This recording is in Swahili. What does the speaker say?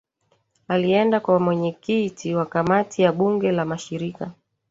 alienda kwa mwenyeKiti wa kamati ya bunge la mashirika